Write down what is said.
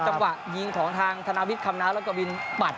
จังหวะยิงของทางธนาวิทย์คำน้าวแล้วก็วินหมัด